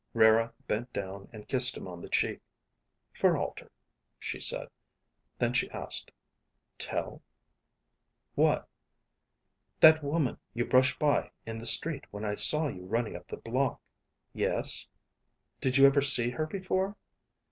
Rara bent down and kissed him on the cheek. "For Alter," she said. Then she asked, "Tel?" "What?" "That woman you brushed by in the street when I saw you running up the block...." "Yes?" "Did you ever see her before?"